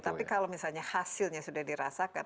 tapi kalau misalnya hasilnya sudah dirasakan